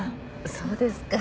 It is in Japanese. そうですか。